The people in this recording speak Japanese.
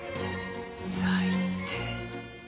最低。